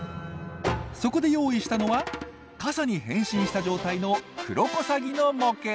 そこで用意したのは傘に変身した状態のクロコサギの模型！